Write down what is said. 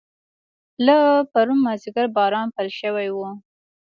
له پرون مازیګر باران پیل شوی و.